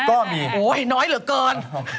ก็มีโอ้ยน้อยเหลือเกิน